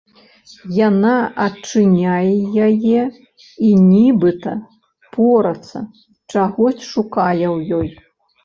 Яна адчыняе яе і нібыта порацца, чагось шукае ў ёй.